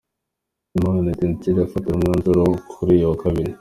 Inama: Etincelles irafatira umwanzuro kuri uyu Kabiri.